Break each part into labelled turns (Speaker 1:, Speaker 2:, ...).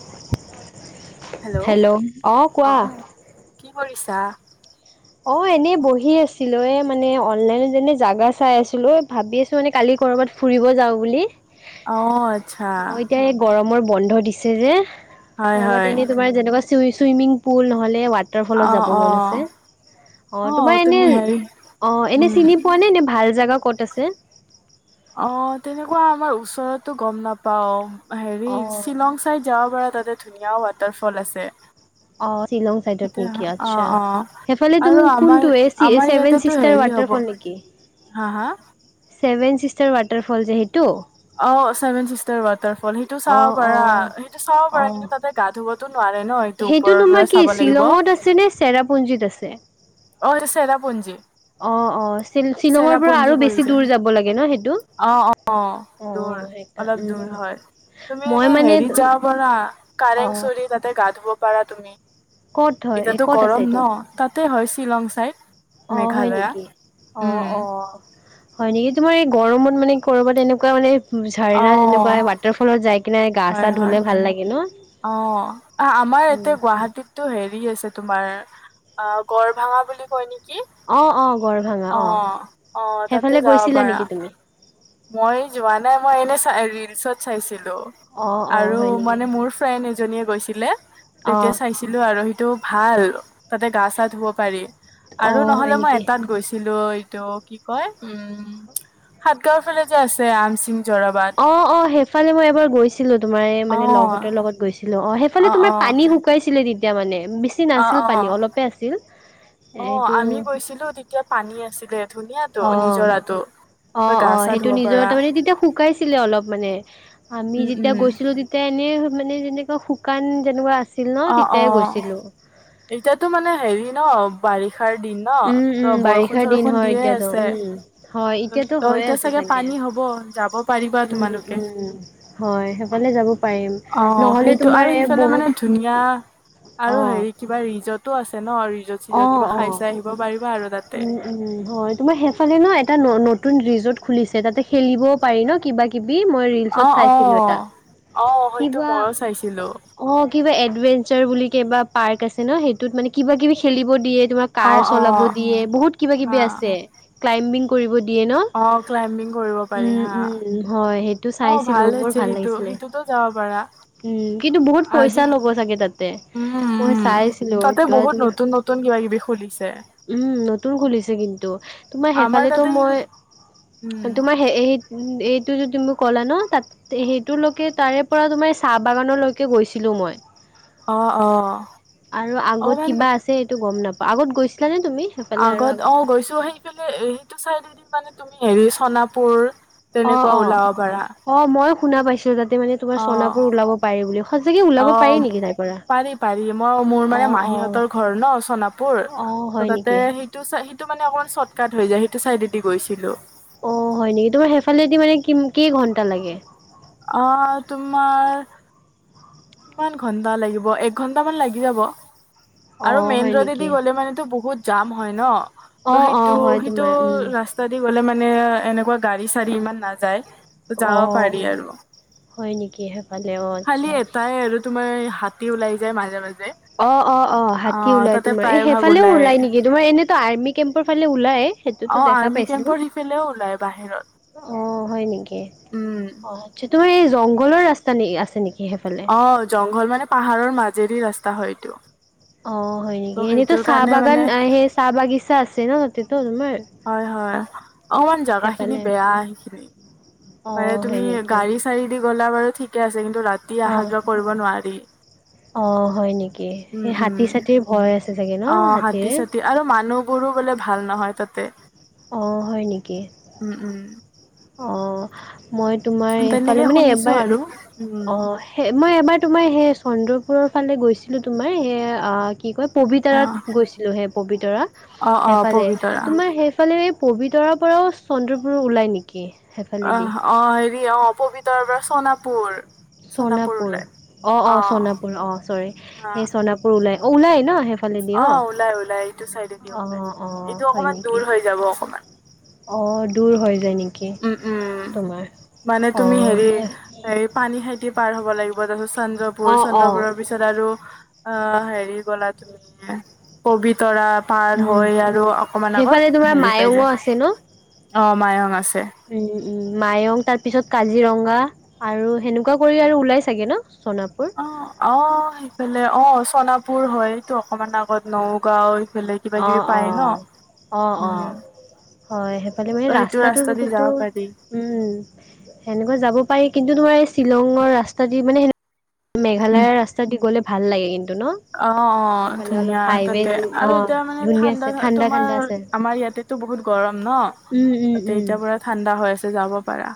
Speaker 1: [unintelligible]
Speaker 2: Hello? অ'! কি কৰিছা?
Speaker 1: অ'! এনেই বহি আছিলোঁ। এ, মানে, অনলাইনত জাগা চাই আছিলোঁ। অ'! ভাবি আছি উঠুনি, কালি কৰ'বাত ফুৰিব যাওঁ বুলি!
Speaker 2: অ আচ্ছা
Speaker 1: অ'! এতিয়া এই, গৰমৰ বন্ধ দিছে যে
Speaker 2: হয়
Speaker 1: কৰ'বাত,
Speaker 2: হয়
Speaker 1: এনে তোমাৰ, যেনেকুৱা চুই, চুইমিং পুল নহ'লে, ৱাটাৰফলত
Speaker 2: অ
Speaker 1: যাব
Speaker 2: অ
Speaker 1: মন আছে। অ'! তোমাৰ এনে,
Speaker 2: তুমি হেৰি
Speaker 1: অ'! এনে
Speaker 2: উম
Speaker 1: চিনি পোৱানে? এনে ভাল জাগা ক'ত আছে?
Speaker 2: অ'! তেনেকুৱা আমাৰ ওচৰতো গম নাপাওঁ। হেৰি,
Speaker 1: অ
Speaker 2: শ্বিলং চাই যাব পাৰা! তাতে, ধুনীয়া ৱাটাৰফ'ল আছে।
Speaker 1: অ'! শ্বিলং চাইডত
Speaker 2: তাতে
Speaker 1: নেকি?
Speaker 2: অ
Speaker 1: আচ্ছা!
Speaker 2: অ
Speaker 1: সেইফালে, তুমি
Speaker 2: আৰু আমাৰ
Speaker 1: কোনটো? এই,
Speaker 2: আমাৰ
Speaker 1: ছেভেন
Speaker 2: ইয়াতেতো
Speaker 1: চিষ্টাৰ
Speaker 2: হেৰি হ'ব
Speaker 1: ৱাটাৰফল নেকি? কি?
Speaker 2: হা, হা?
Speaker 1: ছেভেন ছিষ্টাৰ ৱাটাৰফ'ল যে, সেইটো?
Speaker 2: অ'! Seven sister waterfall. সেইটো চাব
Speaker 1: অ',
Speaker 2: পাৰা,
Speaker 1: অ',
Speaker 2: সেইটো চাব পাৰা? কিন্তু,
Speaker 1: অ',
Speaker 2: তাতে গা ধুবতো নোৱাৰে ন'? এইটো
Speaker 1: সেইটো তোমাৰ
Speaker 2: ওপৰৰ
Speaker 1: কি
Speaker 2: চাব লাগিব।
Speaker 1: শ্বিলঙত আছে নে চেৰাপুঞ্জীত আছে।
Speaker 2: অ'! ছেৰাপুঞ্জী।
Speaker 1: অ' অ'! শ্বিলঙৰ পৰা আৰু
Speaker 2: পৰি
Speaker 1: বেছি
Speaker 2: যায়
Speaker 1: দূৰ যাব লাগে ন' সেইটো?
Speaker 2: অ' অ'! দূৰ,
Speaker 1: অ', সেইকা
Speaker 2: অলপ দূৰ
Speaker 1: উম,
Speaker 2: হয়। তুমি
Speaker 1: মই
Speaker 2: এনে,
Speaker 1: মানে
Speaker 2: হেৰিত যাব পাৰা? কাৰেং
Speaker 1: অ',
Speaker 2: চৰি তাতে গা ধুব পাৰা তুমি।
Speaker 1: ক'ত হয় এই
Speaker 2: এতিয়াতো
Speaker 1: ক'ত আছে
Speaker 2: গৰম
Speaker 1: এইটো?
Speaker 2: ন'! তাতে হয়, শ্বিলং চাইড।
Speaker 1: অ'! হয়
Speaker 2: মেঘালয়া।
Speaker 1: নেকি? অ'
Speaker 2: উম,
Speaker 1: অ'! হয় নেকি? তোমাৰ এই, গৰমত মানে, ক'ৰবাত এনেকুৱা মানে ঝাৰনা
Speaker 2: অ',
Speaker 1: যেনেকুৱাই, ৱাটাৰফ'লত যাই কিনে গা
Speaker 2: হয়,
Speaker 1: -চা
Speaker 2: হয়।
Speaker 1: ধুলে ভাল লাগে ন'!
Speaker 2: অ'! আমাৰ
Speaker 1: উম,
Speaker 2: ইয়াতে, গুৱাহাটীত এইটো হেৰি আছে, তোমাৰ! আঁ গড় ভাঙা বুলি কয় নেকি!
Speaker 1: অ'! অ'! গড় ভাঙা, অ'!
Speaker 2: অ', তাতে
Speaker 1: সেইফালে
Speaker 2: যাব
Speaker 1: গৈছিলা
Speaker 2: পাৰা।
Speaker 1: নেকি তুমি?
Speaker 2: মই যোৱা নাই মই এনে চাই ৰিলচত চাইছিলো
Speaker 1: অ', অ',
Speaker 2: আৰু
Speaker 1: হয় নেকি?
Speaker 2: মানে মোৰফ ফ্ৰেণ্ড এজনীয়ে গৈছিলে তেতিয়া
Speaker 1: অ'।
Speaker 2: চাইছ- ছিলো আৰু সেইটো ভাল তাতে গা চা ধুব পাৰি।
Speaker 1: অ
Speaker 2: আৰু
Speaker 1: হয়
Speaker 2: নহলে মই
Speaker 1: নেকি
Speaker 2: এটাত গৈছিলো এইটো কি কয় উম কা ফালে যে আছে আম সিং জৰাবাদ।
Speaker 1: অ' অ'! সেইফালে মই এবাৰ গৈছিলোঁ। তোমাৰ
Speaker 2: অ
Speaker 1: মানে, লগ হঁতৰ লগত গৈছিলোঁ। অ'! সেইফালে তোমাৰ পানী শুকাইছিলে তেতিয়া মানে। বেছি
Speaker 2: অ
Speaker 1: নাছিল
Speaker 2: অ
Speaker 1: পানী, অলপে আছিল। এইটো
Speaker 2: [unintelligible] এতিয়া, পানী আছিলে, ধুনীয়াতো
Speaker 1: অ
Speaker 2: নিজৰাটো।
Speaker 1: অ'
Speaker 2: গা
Speaker 1: অ'!
Speaker 2: চা
Speaker 1: সেইটো
Speaker 2: ধুব
Speaker 1: নিজৰ।
Speaker 2: পাৰা
Speaker 1: তাৰমানে, তেতিয়া শুকাইছিলে অলপ মানে। আমি
Speaker 2: উম
Speaker 1: যেতিয়া,
Speaker 2: উম
Speaker 1: গৈছিলোঁ তে এনে মানে যেনেকুৱা শুকান যেনেকুৱা আছ-
Speaker 2: অ অ এতিয়াতো মানে হেৰি ন বাৰিষ- নিষাৰ দিন ন
Speaker 1: উম উম
Speaker 2: ত বৰষুণ
Speaker 1: বাৰিষাৰ দিন
Speaker 2: চৰষুণ
Speaker 1: হয়
Speaker 2: দিয়ে
Speaker 1: এতিয়াতো
Speaker 2: আছে
Speaker 1: উম হয় এতিয়াতো
Speaker 2: ত
Speaker 1: হৈয়ে
Speaker 2: এতিয়া
Speaker 1: আছে
Speaker 2: চাগে পানী হ'ব- বল যাব পাৰিবা
Speaker 1: উম
Speaker 2: তোমালোকে।
Speaker 1: উম হয় সেইফালে যাব- পাৰিম
Speaker 2: অ
Speaker 1: নহ'লে
Speaker 2: সেইটো
Speaker 1: তোমাৰ
Speaker 2: আৰু
Speaker 1: এই
Speaker 2: সিফালে
Speaker 1: বহুত
Speaker 2: মানে ধুনীয়া আৰু
Speaker 1: অ
Speaker 2: হেৰি কিবা ৰিজৰ্টো আছে ন ৰিজৰ্ট চিজত কিবা খাই চাই আহিব পাৰিবা আৰু তাতে।
Speaker 1: উ হয় তোমাৰ সেইফালে ন এটা নতুন ৰিজৰ্ট খুলিছে তাতে খেলিবও পাৰি ন কিবা কিবি মই ৰিলচত
Speaker 2: অ অ
Speaker 1: চাইছিলো এটা।
Speaker 2: অ হয়তো
Speaker 1: কিবা
Speaker 2: ময়ো চাইছিলো
Speaker 1: অ কিবা এডভেঞ্চাৰ বুলি কিবা পাৰ্ক আছে ন সেইটোত মানে কিবা কিবি খেলিব দিয়ে তোমাক।
Speaker 2: অ
Speaker 1: কাৰ
Speaker 2: অ
Speaker 1: চলাব দিয়ে বহুত কিবা
Speaker 2: হা
Speaker 1: কিবি আছে। ক্লাইম্বিং কৰিব দিয়ে
Speaker 2: অ ক্লাইম্বিং কৰিব
Speaker 1: ন।
Speaker 2: পাৰি হা
Speaker 1: ওম ওম হয় সে- টো
Speaker 2: অ
Speaker 1: চাইছিলোঁ বৰ
Speaker 2: হৈছে
Speaker 1: ভাল
Speaker 2: সেইটো
Speaker 1: লাগিছিলে।
Speaker 2: সেইটোতো যাব পাৰা
Speaker 1: উম কিন্তু বহুত
Speaker 2: আজি
Speaker 1: পইচা ল'ব চাগে তাতে
Speaker 2: উম
Speaker 1: মই
Speaker 2: উম
Speaker 1: চাইছিলো
Speaker 2: তাতে
Speaker 1: তৰা
Speaker 2: বহুত
Speaker 1: তোমাৰ
Speaker 2: নতুন নতুন কিবা কিবি খুলিছে।
Speaker 1: উম নতুন খুলিছে কিন্তু তোমাৰ
Speaker 2: আমাৰ
Speaker 1: সেইফালো
Speaker 2: তাতে
Speaker 1: মই
Speaker 2: কিন- উম
Speaker 1: তোমাৰ সে এইট উ এইটো যদি মোক কলা ন তাত সেইটোলৈকে তাৰে পৰা তোমাৰ চাহ বাগানলৈকে গৈছিলো মই।
Speaker 2: অ অ
Speaker 1: আৰু আগত
Speaker 2: অকমান
Speaker 1: কিবা আছে সেটো গম নাপাওঁ। আগত গৈছিলা নে তুমি? সেইফালে আৰু
Speaker 2: আগত অ গৈছো সেইফালে সেইটো চাইদত এদি মানে তুমি হেৰি চনাপুৰ
Speaker 1: অ
Speaker 2: তেনেকুৱা
Speaker 1: অ
Speaker 2: ওলাব পাৰা
Speaker 1: অ মই শুনা পাইছো তাতে মানে তোমাৰ
Speaker 2: অ
Speaker 1: চনাপোৰ ওলাব পাৰি বুলি সচাকে
Speaker 2: অ
Speaker 1: ওলাব পাৰি নেকি তাই পৰা?
Speaker 2: পাৰি পাৰি মই মোৰ
Speaker 1: অ
Speaker 2: মানে
Speaker 1: অ
Speaker 2: মাহীহঁতৰ ঘৰ ন চনাপুৰ
Speaker 1: অ',
Speaker 2: ত'
Speaker 1: হয়
Speaker 2: তাতে
Speaker 1: নেকি?
Speaker 2: সেট টো চা সেইটো মানে অকণমান চৰ্টকাট হৈ যায় সেইটো চাইডেদি গৈছিলোঁ।
Speaker 1: অ হয় নেকি তোমাৰ সেইফালেদি মানে কি কেই ঘণ্টা লাগে?
Speaker 2: অ তোমাৰ কিমান ঘন্টা লাগিব, এক ঘন্টামান লাগি যাব। আৰু
Speaker 1: অ',
Speaker 2: মেইন
Speaker 1: হয়
Speaker 2: ৰোডেদি
Speaker 1: নেকি?
Speaker 2: গ'লে মানেটো বহুত জাম হয় ন ত
Speaker 1: অ',
Speaker 2: সেইটো
Speaker 1: অ', হয়
Speaker 2: সেইটো
Speaker 1: তোমাৰ উম,
Speaker 2: ৰাস্ত- তেদি গ'লে মানে এনেকুৱা গাড়ী চাড়ী ইমান নাযায়।
Speaker 1: অ
Speaker 2: যাব পাৰি আৰু
Speaker 1: হয় নেকি সেইফালে অ
Speaker 2: খালি
Speaker 1: আচ্ছা।
Speaker 2: এটাই আৰু তোমাৰ হাতী ওলাই যায় মাজে মাজে।
Speaker 1: অ অ অ হাতী ওলাই
Speaker 2: তাতে
Speaker 1: তোমাৰ এ
Speaker 2: প্ৰায় ভাগ
Speaker 1: সেইফালেও ওলাই নেকি তোমাৰ এনেতো আৰ্মি কেম্পৰ ফালে ওলাই। সেইটোতো
Speaker 2: অ
Speaker 1: দেখা
Speaker 2: আৰ্মি
Speaker 1: পাইছিলোঁ।
Speaker 2: কেম্পৰ সিফালেও ওলাই বাহিৰৰ।
Speaker 1: অ হয় নেকি, অ আচ্ছা তোমাৰ এই জংঘলৰ ৰাস্তা নে আছে নেকি সেইফালে?
Speaker 2: অ জংঘল মানে পাহাৰৰ মাজেৰে ৰাস্তা হয় এইটো।
Speaker 1: অ হয় নেকি,
Speaker 2: ত'
Speaker 1: এনেইটো
Speaker 2: সেইটোৰ
Speaker 1: চাহ
Speaker 2: কাৰণে মানে
Speaker 1: বাগান সেই চাহ বাগিচা আছে ন তাতেতো তোমাৰ।
Speaker 2: হয় হয় অকমান জাগা খিনি
Speaker 1: সেইফালে
Speaker 2: বেয়া সেইখিনি। পাৰে
Speaker 1: অ', হয়
Speaker 2: তুমি
Speaker 1: নেকি
Speaker 2: গাড়ী চাৰি দি গ'লা বাৰু ঠিক। ঠিকে আছে কিন্তু ৰাতি অহা
Speaker 1: অ'।
Speaker 2: যোৱা কৰিব নোৱাৰি।
Speaker 1: অ', হয় নেকি
Speaker 2: উম
Speaker 1: সেই হাতী
Speaker 2: উম।
Speaker 1: চাতীৰ ভয় আছে চাগে। ন
Speaker 2: অ হাতী
Speaker 1: হাতীৰে?
Speaker 2: চাতি আৰু মানুহবোৰো বোলে ভাল নহয় তাতে।
Speaker 1: অঁ হয় নেকি?
Speaker 2: উম, উম।
Speaker 1: অঁ মই তোমাৰ এইফালে
Speaker 2: তেনেকে
Speaker 1: মানে
Speaker 2: শুনিছো
Speaker 1: এবাৰ
Speaker 2: আৰু উম
Speaker 1: অঁ। সেই মই এবাৰ তোমাৰ সেই চন্দ্ৰপুৰৰ ফালে গৈছিলোঁ তোমাৰ সেই কি কয়।
Speaker 2: অ'।
Speaker 1: পবিতৰাত গৈছিলোঁ সেই পবিতৰা
Speaker 2: অ' অ'
Speaker 1: সেইফালে
Speaker 2: পবিতৰা
Speaker 1: তোমাৰ সেইফালে পবিতৰাৰ পৰাও চন্দ্ৰবোৰ ওলায় নেকি? সেইফালেদি
Speaker 2: আহ অ হেৰি অ পবিতৰ পৰা চোনাপুৰ।
Speaker 1: চণাপুৰ অ অ চণাপুৰ অ চৰি
Speaker 2: অ'
Speaker 1: সেই চণাপুৰ ওলাই অ ওলাই ন সেফ হলিডি
Speaker 2: অ' ওলাই ওলাই এইটো চাইডে দি
Speaker 1: অ'
Speaker 2: ওলাই।
Speaker 1: অঁ অঁ
Speaker 2: এইটো
Speaker 1: হয়
Speaker 2: অকমান দূৰ
Speaker 1: নেকি?
Speaker 2: হৈ যাব অকণমান।
Speaker 1: অ দূৰ হৈ যায় নি?
Speaker 2: উম উম মানে
Speaker 1: অ
Speaker 2: তুমি হেৰি?
Speaker 1: সেই
Speaker 2: এই পানী খাইতি পাৰ হ'ব লাগিব তাৰি চন্দ্ৰপুৰ
Speaker 1: অ অ
Speaker 2: চন্দ্ৰপুৰৰ- তাৰপিছত আৰু অ হেৰি গলা তুমি পবিতৰা। পাৰ
Speaker 1: উম
Speaker 2: হৈ আৰু অকমান আগত
Speaker 1: সেইফালে তোমাৰ
Speaker 2: হেৰি পাই য
Speaker 1: মায়ঙো আছে ন
Speaker 2: অ মায়ং আছে।
Speaker 1: উম, উম মায়ং তাৰ পিছত কাজিৰঙা। আৰু সেনেকুৱা কৰি আৰু ওলাই চাগে ন চনাপুৰ।
Speaker 2: অ'হ, অ'হ সেইফালে অ চনাপুৰ হয়তটো অকমান আগত নগাঁও। এইফালে কিবা কিবি
Speaker 1: অহঁ,
Speaker 2: পায় ন
Speaker 1: অঁহ, অঁহ, অঁহ।
Speaker 2: উম
Speaker 1: হয়, সেইফালে মানে
Speaker 2: ত সেইটো
Speaker 1: ৰাস্তাটো
Speaker 2: ৰাস্তা দি যাব
Speaker 1: কিন্তু-
Speaker 2: পাৰি
Speaker 1: উম সেনেকুৱা যাব পাৰি, কিন্তু তোমাৰ এই শ্বিলঙৰ ৰাস্তা দি মানে সেনে। মেঘালয়ৰ ৰাস্তা দি গ'লে ভাল লাগে কিন্তু ন।
Speaker 2: অ'হ, অ'হ
Speaker 1: সেইফালে অলপ
Speaker 2: ধুনীয়া
Speaker 1: হাইৱে
Speaker 2: তাতে আৰু
Speaker 1: অ',
Speaker 2: এতিয়া। মানে
Speaker 1: ধুনীয়া
Speaker 2: ঠাণ্ডা
Speaker 1: আছে
Speaker 2: তোমাৰ
Speaker 1: ঠাণ্ডা আছে।
Speaker 2: আমাৰ ইয়াতেতো বহুত গৰম ন
Speaker 1: উম, উম,
Speaker 2: ত
Speaker 1: উম,
Speaker 2: এতিয়াৰ পৰা। ঠাণ্ডা হৈ আছে যাব পাৰা।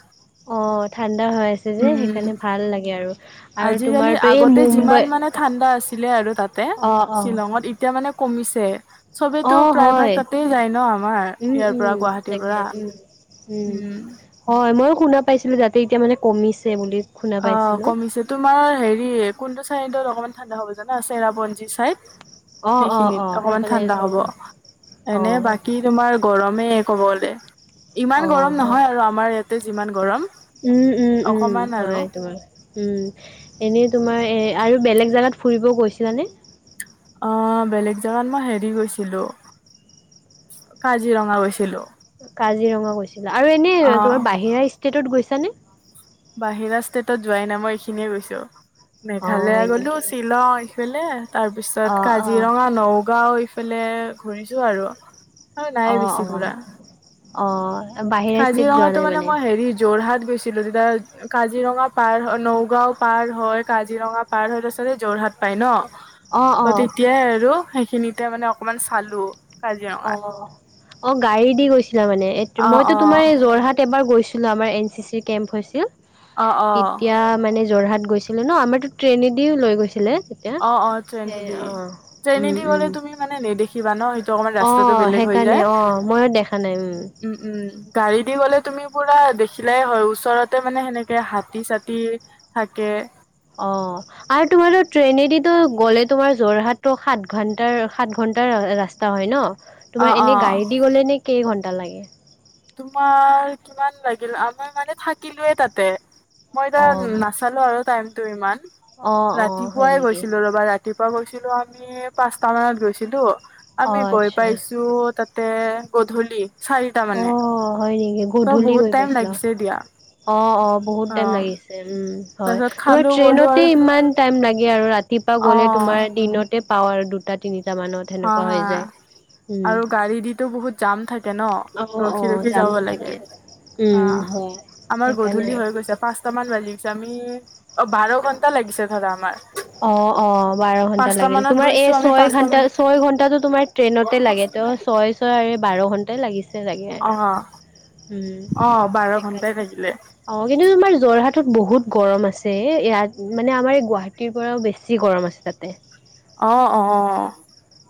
Speaker 1: অহঁ ঠাণ্ডা হৈ আছে যে,
Speaker 2: উম
Speaker 1: সেইকাৰণে ভাল লাগে আৰু। আৰু
Speaker 2: আজিকালি
Speaker 1: তোমাৰতো এই
Speaker 2: আগতে যিমান
Speaker 1: মুম্বাই।
Speaker 2: মানে ঠাণ্ডা আছিলে আৰু তাতে
Speaker 1: অ', অ',
Speaker 2: শ্বিলঙত, এতিয়া মানে কমিছে। চবতো
Speaker 1: অ',
Speaker 2: প্ৰায়ভাগ
Speaker 1: হয়
Speaker 2: তাতেই যায় ন আমাৰ
Speaker 1: উম,
Speaker 2: ইয়াৰ পৰা
Speaker 1: উম,
Speaker 2: গুৱাহাটীৰ
Speaker 1: তাকে
Speaker 2: পৰা।
Speaker 1: উম।
Speaker 2: উম।
Speaker 1: হয়, মইয়ো শুনা পাইছিলো যাতে এতিয়া মানে কমিছে বুলি। শুনা
Speaker 2: অঁ
Speaker 1: পাইছিলো।
Speaker 2: কমিছে তোমাৰ হেৰি কোনটো চাইডত অকমান ঠাণ্ডা হ'ব জানা চেৰাপঞ্জী চাইদ।
Speaker 1: অ', অ', অ',
Speaker 2: সেইখিনিত অকমান
Speaker 1: সেইফালে
Speaker 2: ঠাণ্ডা হ'ব
Speaker 1: অ',
Speaker 2: এনে
Speaker 1: অ',
Speaker 2: বাকী। তোমাৰ গৰমে ক'বলে ইমান
Speaker 1: অ',
Speaker 2: গৰম
Speaker 1: হয়।
Speaker 2: নহয় আৰু আমাৰ ইয়াতে যিমান গৰম।
Speaker 1: উম, উম, উম,
Speaker 2: অকমান আৰু।
Speaker 1: হয়, তোমাৰ। উম, এনেই তোমাৰ আৰু বেলেগ জেগাত ফুৰিব গৈছিলানে।
Speaker 2: অঁ বেলেগ জোগাত মই হেৰি গৈছিলো, কাজিৰঙা গৈছিলো।
Speaker 1: কাজিৰঙা গৈছিলা আৰু এনে তোমাৰ বাহিৰা ষ্টেটত গৈছানে!
Speaker 2: বাহিৰা ষ্টেটত যোৱাই নাই মই এইখিনিয়ে গৈছো।
Speaker 1: অ',
Speaker 2: মেঘালয়
Speaker 1: হয়
Speaker 2: গলো
Speaker 1: নেকি?
Speaker 2: শ্বিলং ইফালে তাৰ পিছত
Speaker 1: অ', অ',
Speaker 2: কাজিৰঙা নগাঁও ইফালে ঘূৰিছো আৰু। আৰু নাই বেছি ফুৰা।
Speaker 1: অ'হঁ।
Speaker 2: কাজিৰঙাটো মানে মই হেৰি- যোৰহাট গেছিলো তেতিয়া কাজিৰঙা পাৰ হয় নগাঁও পাৰ হয় কাজিৰঙা। পাৰ হৈ তাৰ পাছতে যোৰহাট পায় ন।
Speaker 1: অ',
Speaker 2: ত
Speaker 1: অ'।
Speaker 2: তেতিয়াই আৰু সেইখিনিতে মানে অকমান চালো। কাজিৰঙাত
Speaker 1: অ'হ, অ'হ গাড়ী দি গৈছিলা মানে,
Speaker 2: অ
Speaker 1: মইতো
Speaker 2: অ
Speaker 1: তোমাৰ যোৰহাট- একবাৰ গৈছিলো আমাৰ এন চি চিৰ কেম্প হৈছিল।
Speaker 2: অ অ
Speaker 1: তেতিয়া মানে যোৰহাট গৈছিল। আছিলে ন আমাৰতো ট্ৰেইনেদিও লৈ গৈছিলে। তেতিয়া
Speaker 2: অ'হ, অ'হ
Speaker 1: সেই
Speaker 2: ট্ৰেইনেদি
Speaker 1: অ', উম,
Speaker 2: ট্ৰেইনেদি
Speaker 1: উম,
Speaker 2: গলে তুমি মানে নেদেখি। কিবা ন সেইটো অকমান ৰাস্তাটো
Speaker 1: অ',
Speaker 2: বেলেগ হৈ
Speaker 1: সেইকাৰণে
Speaker 2: যায়
Speaker 1: অ', ময়ো দেখা নাই
Speaker 2: উম, উম। গাড়ী দি গ'লে তুমি পুৰা দেখিলে হয় ওচৰতে মানে সেনেকে হাতী চাতি। থাকে।
Speaker 1: অ'হঁ। আৰু তোমাৰো ট্ৰেইনেদিতো গ'লে তোমাৰ যোৰহাট টো সাত ঘণ্টাৰ সাত ঘণ্টা ৰাস্তা হয় ন।
Speaker 2: অ
Speaker 1: তোমাৰ এনে
Speaker 2: অ
Speaker 1: গাড়ী দি গ'লে এনেই কেইঘন্টা লাগে।
Speaker 2: তোমাৰ কিমান লাগিল মই মানে থাকিলোয়ে তাতে মই এতিয়া
Speaker 1: অ',
Speaker 2: নাছিলো। চালো আৰু টাইমটো ইমান
Speaker 1: অ', অ', হয়
Speaker 2: ৰাতিপুৱাই
Speaker 1: নেকি
Speaker 2: গৈছিলো ৰবা ৰাতি। ৰাতিপুৱা গৈছিলো আমি পাঁচটা মানত গৈছিলো আমি
Speaker 1: অ',
Speaker 2: গৈ
Speaker 1: আচ্ছা
Speaker 2: পাইছো। তাতে গধূলি চাৰিটা মানে।
Speaker 1: অ', হয় নেকি
Speaker 2: ত'
Speaker 1: গধূলি
Speaker 2: বহুত
Speaker 1: গৈ
Speaker 2: টাইম
Speaker 1: পাইছিলো
Speaker 2: লাগিছে দিয়া
Speaker 1: অঁ অঁ বহুত টাইম
Speaker 2: অ'।
Speaker 1: লাগিছিলে। হয়
Speaker 2: তাৰপিছত
Speaker 1: তুমাৰ
Speaker 2: খালো বলো
Speaker 1: ট্ৰেইনতে
Speaker 2: আৰু
Speaker 1: ইমান টাইম লাগে আৰু ৰাতিপুৱা গ'লে
Speaker 2: অ'।
Speaker 1: তোমাৰ দিনতে পাওঁ আৰু দুটা তিনিটা মানত।
Speaker 2: অ
Speaker 1: সেনেকুৱা
Speaker 2: হা
Speaker 1: হৈ যায় উম।
Speaker 2: আৰু গাড়ী দিতো বহুত, যাম থাকে ন
Speaker 1: অ',
Speaker 2: ৰখি
Speaker 1: অ',
Speaker 2: ৰখি যাব
Speaker 1: জামো
Speaker 2: লাগে।
Speaker 1: থাকে।
Speaker 2: অ
Speaker 1: উম, হয়
Speaker 2: আমাৰ
Speaker 1: সেইকাৰণে
Speaker 2: গধূলি
Speaker 1: আৰু
Speaker 2: হৈ গৈছে পাঁচটা মান বাজি গৈছে আমি অ বাৰ ঘণ্টা
Speaker 1: অ অ বাৰ ঘন্টা
Speaker 2: পাঁচটা
Speaker 1: লাগিল
Speaker 2: মানত
Speaker 1: তোমাৰ
Speaker 2: গৈছো
Speaker 1: এই
Speaker 2: আমি
Speaker 1: ছয়
Speaker 2: পাঁচটা
Speaker 1: ঘন্টা
Speaker 2: মান
Speaker 1: ছয় ঘন্টাটো তোমাৰ। ট্ৰেইনতে লাগে তেওঁ ছয় ছয় আৰু বাৰ ঘণ্টাই লাগিছে। চাগে আৰু
Speaker 2: অ
Speaker 1: উম,
Speaker 2: অ বাৰ
Speaker 1: সেইকাৰণে।
Speaker 2: ঘণ্টাই লাগিলে।
Speaker 1: অ কিন্তু তোমাৰ যোৰহাটত বহুত গৰম আছে ইয়াত মানে আমাৰ এই গুৱাহাটী, [unintelligible] টিৰ পৰাও বেছি গৰম আছে তাতে।
Speaker 2: অ অ,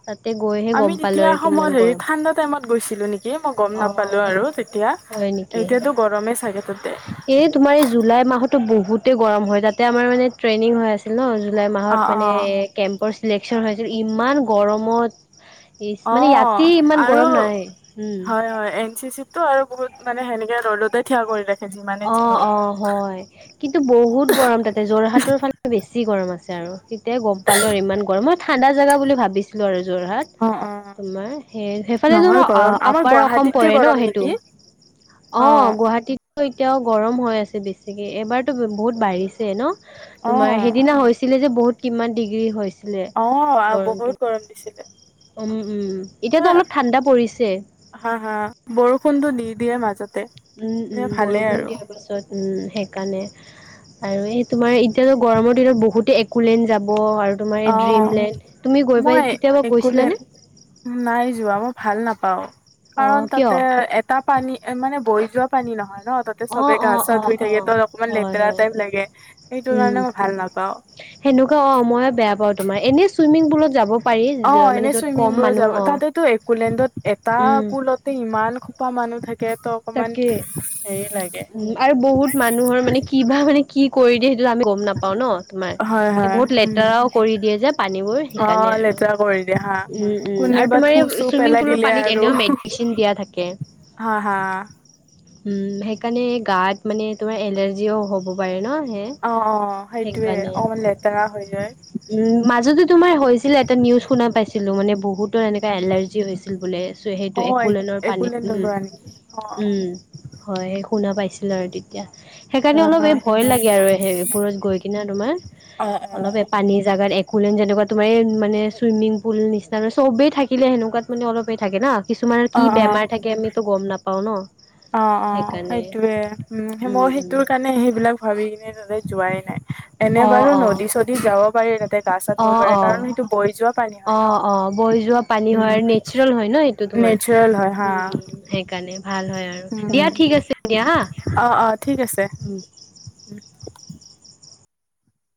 Speaker 1: তাতে গৈ।
Speaker 2: আমি তেতিয়া সময়ত হেৰি ঠাণ্ডা টাইমত গৈছিলো নেকি মই গম
Speaker 1: অ
Speaker 2: নাপালো আৰু তেতিয়া।
Speaker 1: হয় নেকি
Speaker 2: এতিয়াতো গৰমেই চাগে তাতে।
Speaker 1: এই তোমাৰ এই জুলাই মাহতো বহুতেই গৰম হয় তাতে আমাৰ মানে ট্ৰেইনিং হৈ আছে। আছিল ন জুলাই
Speaker 2: অ
Speaker 1: মাহত
Speaker 2: অ
Speaker 1: মানে কেম্পৰ চিলেকচন হৈছিল ইমান গৰমত।
Speaker 2: অ
Speaker 1: মানে ইয়াতে ইমান
Speaker 2: আৰু
Speaker 1: গৰম নাই উম।
Speaker 2: হয় এন চি চি তো আৰু বহুত মানে সেনেকে ৰদতে থিয় কৰিলে।
Speaker 1: অ অ, হয় কিন্তু বহুত গৰম তাতে যোৰহাটৰ ফালে বেছি গৰম আছে আৰু তেতিয়া গম, পালো আৰু ইমান গৰম হয় ঠাণ্ডা জেগা বুলি ভাবিছিলো আৰু যোৰহাট।
Speaker 2: অ অ
Speaker 1: তোমাৰ সেই সেইফালে
Speaker 2: নহয় গৰম আমাৰ
Speaker 1: আপাৰ অসম
Speaker 2: গুৱাহাটীতকে
Speaker 1: পৰে ন
Speaker 2: গৰম
Speaker 1: সেইটো।
Speaker 2: নেকি
Speaker 1: অ গুৱাহাটীতো এতিয়াও গৰম হৈ আছে বেছিকে এবাৰতো বহুত বাঢ়িছে ন।
Speaker 2: অ
Speaker 1: তোমাৰ সেইদিনা হৈছিলে যে বহুত কিমান ডিগ্ৰী হৈছিল।
Speaker 2: অ
Speaker 1: গৰম
Speaker 2: বহুত দিছিলে
Speaker 1: উম উম এতিয়াতো
Speaker 2: হয়,
Speaker 1: অলপ ঠাণ্ডা পৰিছে।
Speaker 2: হা হা বৰষুণতটো দি দিয়ে মাজত।
Speaker 1: উম উম বৰষুণ দিয়াৰ পাছত। উম সেইকাৰণে আৰু এই তোমাৰ এতিয়াতো গৰমৰ দিনত বহুতে কুলেন যাব আৰু তোমাৰ
Speaker 2: অ
Speaker 1: এই ড্ৰিমলেণ্ড তুমি গৈ পাই
Speaker 2: মই
Speaker 1: কেতিয়াবা
Speaker 2: একোলে
Speaker 1: গৈছিলানে।
Speaker 2: নাই যোৱা মই ভাল নাপাও
Speaker 1: অ',
Speaker 2: কাৰণ
Speaker 1: কিয়?
Speaker 2: তাতে, তাৰ পানী এ মানে বৈ যোৱা পানী নহয়। ন তাতে
Speaker 1: অ',
Speaker 2: চবে গা
Speaker 1: অ',
Speaker 2: চা
Speaker 1: অ',
Speaker 2: ধুই থাকে
Speaker 1: অ',
Speaker 2: ত অকমান
Speaker 1: হয়,
Speaker 2: লেতেৰা
Speaker 1: হয়,
Speaker 2: টাইপ লাগে সেইটো
Speaker 1: উম।
Speaker 2: কাৰণে মই ভাল নাপাওঁ।
Speaker 1: সেনেকুৱা অ ময়ে বেয়া পাওঁ তোমাৰ এনে চুইমিং পুলত যাব, পাৰি
Speaker 2: অ
Speaker 1: মানে
Speaker 2: এনেই
Speaker 1: য'ত
Speaker 2: চুইমিং
Speaker 1: কম
Speaker 2: পুল
Speaker 1: মানুহ
Speaker 2: যাব
Speaker 1: অ
Speaker 2: তাতেটো একোলেণ্ডত এটা
Speaker 1: উম
Speaker 2: পুলত, ইমান খোপা মানুহ থাকে ত, অকমান
Speaker 1: তাকে
Speaker 2: হেৰি লাগে
Speaker 1: আৰু বহুত মানুহৰ মানে কিবা মানে কি কৰি দিয়ে সেইটো আমি। গম নাপাও ন তোমাৰ
Speaker 2: হয়
Speaker 1: এই
Speaker 2: হয়
Speaker 1: বহুত
Speaker 2: উম
Speaker 1: লেতেৰাও কৰি দিয়ে যে পানীবোৰ
Speaker 2: অ
Speaker 1: সেইকাৰণে আৰু
Speaker 2: লেতেৰা কৰি দিয়ে হা
Speaker 1: উম উম আৰু
Speaker 2: কোনেবা থু
Speaker 1: তোমাৰ
Speaker 2: চু
Speaker 1: এই চুইমিং
Speaker 2: পেলাই
Speaker 1: পুলৰ
Speaker 2: দিলে
Speaker 1: পানীত
Speaker 2: আৰু
Speaker 1: এনেও মেডিচিন দিয়া থাকে।
Speaker 2: হা হা,
Speaker 1: উম সেইকাৰণে গাত মানে তোমাৰ এলাৰ্জিও হব পাৰে ন সে,
Speaker 2: অ অ সেইটোয়ে অলপমান লেতেৰা হৈ যায়।
Speaker 1: উম মাজতে তোমাৰ হৈছিলে এটা নিউজ শুনা পাইছিলো মানে বহুত ত এনেকুৱা এনেকুৱা এলাৰ্জি হৈছিল বোলে চ সেইটো
Speaker 2: অ
Speaker 1: একোলেনৰ
Speaker 2: একোলেণ্ড
Speaker 1: পানীত,
Speaker 2: পৰা
Speaker 1: উম -
Speaker 2: নেকি অ
Speaker 1: উম হয় সেই শুনা পাইছিলো আৰু তেতিয়া।
Speaker 2: অ
Speaker 1: সেইকাৰণে অলপ এই ভয় লাগে আৰু সেইবোৰত গৈ কিনে তোমাৰ
Speaker 2: অ অ
Speaker 1: অলপ, পানী জোগাত একোলেন যেনেকুৱা তোমাৰ মানে ছুইমিং পুল নিচিনা ন চবেই থাকিলে সেনেকুৱাত মানে অলপেই থাকে ন কিছুমানৰ
Speaker 2: অ অ
Speaker 1: কি বেমাৰ থাকে আমিতো গম নাপাও ন
Speaker 2: অ অ
Speaker 1: সেইকাৰণে
Speaker 2: সেইটোয়ে উম মই সেইটোৰ কাৰণে সেইবিলাক ভাবি কিনে তাতে যোৱাই নাই এনে
Speaker 1: অ',
Speaker 2: বাৰু
Speaker 1: অ',
Speaker 2: নদী চদী যাব পাৰি তাতে গা চা ধুব
Speaker 1: অ',
Speaker 2: পাৰে
Speaker 1: অ'।
Speaker 2: কাৰণ সেইটো বৈ যোৱা পানী হয়
Speaker 1: অ', অ', বৈ
Speaker 2: ন
Speaker 1: যোৱা পানী হয়
Speaker 2: উম
Speaker 1: নেচাৰেল হয় ন এইটো তোমাৰ
Speaker 2: নেচাৰেল হয় হা
Speaker 1: উম সেইকাৰণে ভাল হয় আৰু দিয়া
Speaker 2: উম
Speaker 1: ঠিক আছে দিয়া হা,
Speaker 2: অ অ ঠিক আছে
Speaker 1: উম
Speaker 2: [unintelligible]